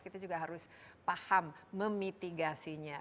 kita juga harus paham memitigasinya